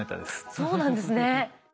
そうなんですね。